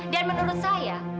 dan menurut saya